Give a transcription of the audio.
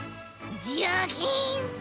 ジャキン！